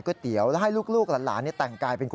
ก็เลยลูกอีวายเขามาบอก